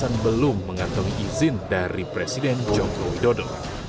alasan belum mengantungi izin dari presiden joko widodo